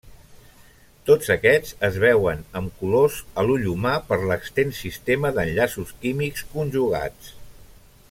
Tots aquests es veuen amb colors a l'ull humà per l'extens sistema d'enllaços químics conjugats.